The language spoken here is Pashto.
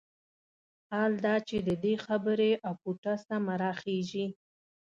حال دا چې د دې خبرې اپوټه سمه راخېژي.